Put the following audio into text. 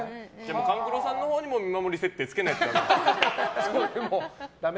勘九郎さんのほうにも見守り設定つけないとだめだ。